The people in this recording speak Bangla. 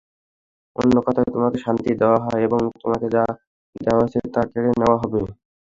অন্যথায় তোমাকে শাস্তি দেয়া হবে এবং তোমাকে যা দেয়া হয়েছে তা কেড়ে নেয়া হবে।